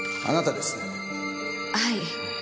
はい。